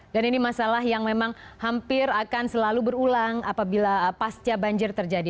ini masalah yang memang hampir akan selalu berulang apabila pasca banjir terjadi